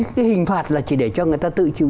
cái hình phạt là chỉ để cho người ta tự chịu